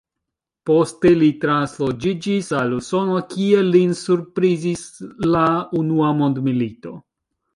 Poste li transloĝiĝis al Usono, kie lin surprizis la unua mondmilito.